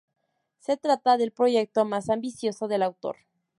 Se trata del proyecto más ambicioso del autor.